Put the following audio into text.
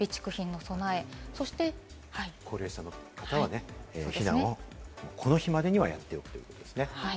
高齢者の方は避難をこの日までには、やっておくということなんですね。